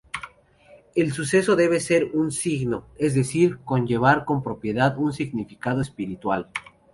El suceso debe ser un signo, es decir, conllevar con propiedad un significado espiritual.